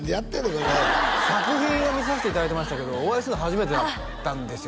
これ作品は見させていただいてましたけどお会いするの初めてだったんですよ